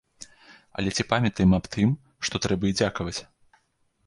Але ці памятаем аб тым, што трэба і дзякаваць?